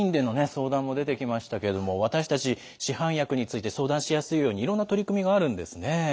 相談も出てきましたけれども私たち市販薬について相談しやすいようにいろんな取り組みがあるんですね。